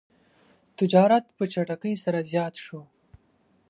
تجارت په چټکۍ سره زیات شو.